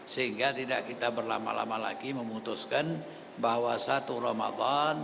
sehingga tidak kita berlama lama lagi memutuskan bahwa satu ramadan